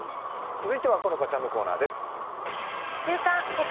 続いては好花ちゃんのコーナーです。